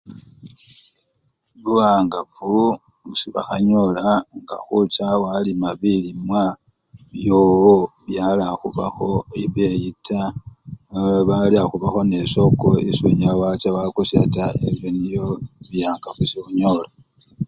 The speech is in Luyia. Buwangafu esii bakhanyola nga khucha walima bilimwa byowo byala khubakho ebeyi taa mala byala khubakho nesoko esi onyala wacha wakusya taa ebyo nibyo biyangafu esikhunyola.